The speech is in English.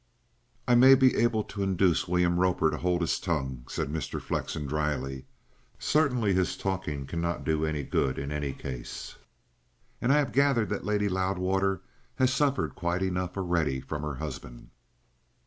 "I may be able to induce William Roper to hold his tongue," said Mr. Flexen dryly. "Certainly his talking cannot do any good in any case. And I have gathered that Lady Loudwater has suffered quite enough already from her husband."